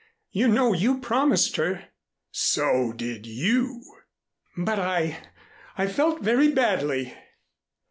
You know you promised her " "So did you " "But I I felt very badly."